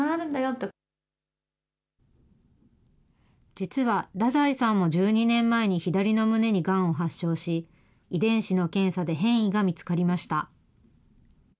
実は太宰さんも１２年前に左の胸にがんを発症し、遺伝子の検査で変異が見つかりました。